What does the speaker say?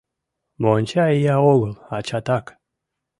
— Монча ия огыл, ачатак...